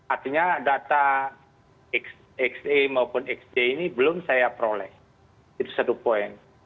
artinya data xa maupun xj ini belum saya peroleh itu satu poin